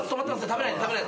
食べないで。